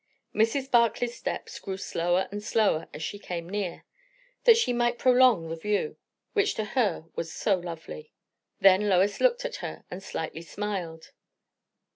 Mrs. Barclay's steps grew slower and slower as she came near, that she might prolong the view, which to her was so lovely. Then Lois looked at her and slightly smiled.